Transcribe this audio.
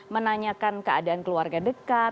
menanyakan keadaan keluarga dekat